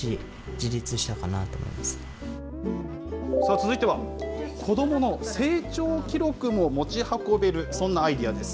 続いては、子どもの成長記録も持ち運べる、そんなアイデアです。